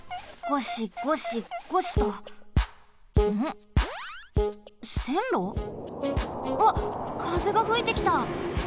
わっかぜがふいてきた！